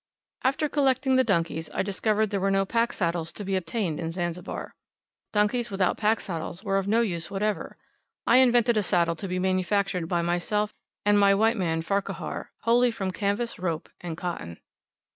After collecting the donkeys, I discovered there were no pack saddles to be obtained in Zanzibar. Donkeys without pack saddles were of no use whatever. I invented a saddle to be manufactured by myself and my white man Farquhar, wholly from canvas, rope, and cotton.